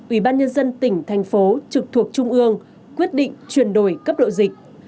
ủy ban nhân dân tỉnh thành phố trực thuộc trung ương quyết định chuyển đổi cấp độ dịch